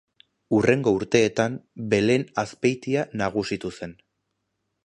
Hurrengo urteetan Belen Azpeitia nagusitu zen.